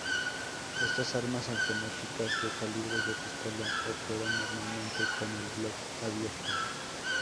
Estas armas automáticas de calibres de pistola operan normalmente con el block abierto.